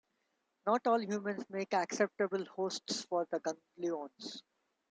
Not all humans make acceptable hosts for the Ganglions.